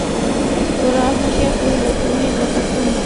গোরা হাসিয়া কহিল, তুমি একলা স্থাণু হয়ে বসে থাকলেই বা মুক্তি কোথায়?